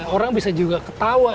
orang bisa juga ketawa